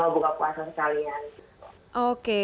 sama buka puasa sekalian